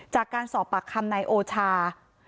จากการสอบปากคำนายโอชา